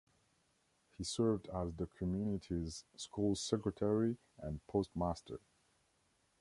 He served as the community's school secretary and postmaster.